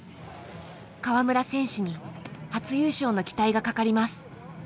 川村選手に初優勝の期待がかかります。